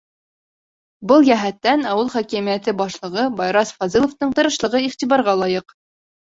Был йәһәттән ауыл хакимиәте башлығы Байрас Фазыловтың тырышлығы иғтибарға лайыҡ.